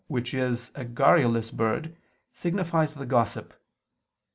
], which is a garrulous bird, signifies the gossip.